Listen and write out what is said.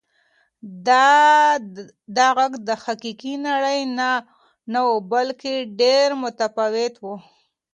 دا غږ د حقیقي نړۍ نه و بلکې ډېر متفاوت و.